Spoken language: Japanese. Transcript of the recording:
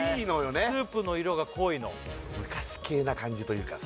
スープの色が濃いの昔系な感じというかさ